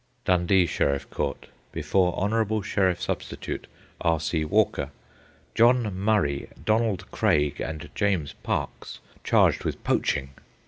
Dundee Sheriff Court. Before Hon. Sheriff Substitute R. C. Walker. John Murray, Donald Craig, and James Parkes, charged with poaching.